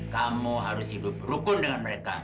kamu harus hidup rukun dengan mereka